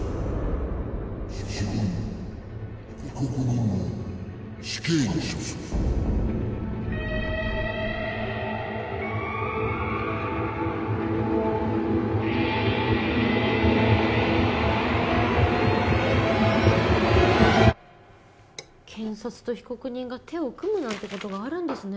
主文被告人を死刑に処する検察と被告人が手を組むなんてことがあるんですね